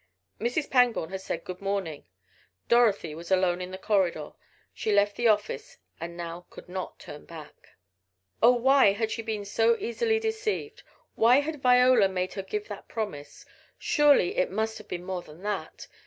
Mrs. Pangborn had said "good morning," Dorothy was alone in the corridor. She had left the office and could not now turn back! Oh, why had she been so easily deceived? Why had Viola made her give that promise? Surely it must have been more than that!